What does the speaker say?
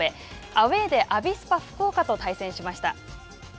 アウェーでアビスパ福岡と対戦しました。